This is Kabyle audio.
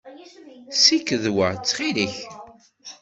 Ssiked wa, ttxil-k.